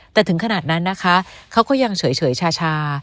แต่ถึงขนาดนั้นนะคะเขาก็ยังเฉยชา